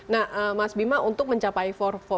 nah mas bima untuk mencapai empat